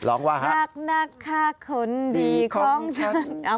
ร้องว่าฮะรักนะคะคนดีของฉัน